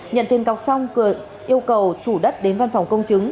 nhận tiền cọc xong cường yêu cầu chủ đất đến văn phòng công chứng